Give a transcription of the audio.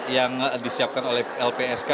yang disiapkan oleh lpsk